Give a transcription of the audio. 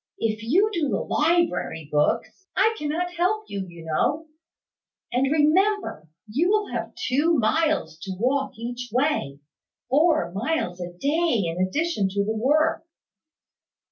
If you do the library books, I cannot help you, you know. And remember, you will have two miles to walk each way; four miles a day in addition to the work."